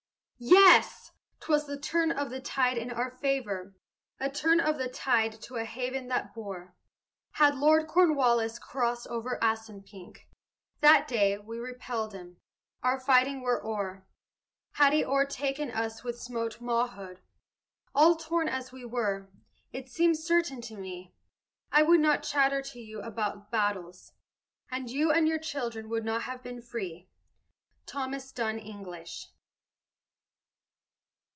Yes! 'twas the turn of the tide in our favor A turn of the tide to a haven that bore. Had Lord Cornwallis crossed over Assunpink That day we repelled him, our fighting were o'er. Had he o'ertaken us ere we smote Mawhood, All torn as we were, it seems certain to me, I would not chatter to you about battles, And you and your children would not have been free. THOMAS DUNN ENGLISH.